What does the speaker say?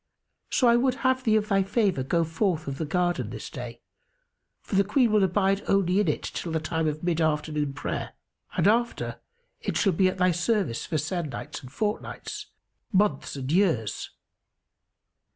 So I would have thee of thy favour go forth of the garden this day, for the Queen will abide only in it till the time of mid afternoon prayer and after it shall be at thy service for se'nnights and fortnights, months and years."